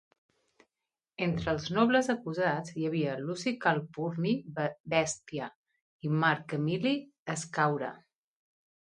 Entre els nobles acusats hi havia Luci Calpurni Bèstia i Marc Emili Escaure.